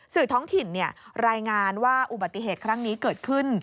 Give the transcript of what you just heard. ท้องถิ่นรายงานว่าอุบัติเหตุครั้งนี้เกิดขึ้น